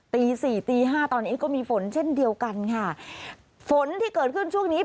ตีสี่ตีห้าตอนนี้ก็มีฝนเช่นเดียวกันค่ะฝนที่เกิดขึ้นช่วงนี้